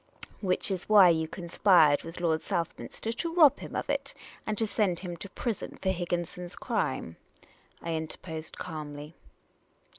" Which is why you conspired with Lord Southminster to rob him of it, and to send him to prison for Higginson's crime," I interposed ^almly.